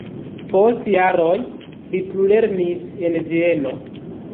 Post jaroj li plulernis en Vieno.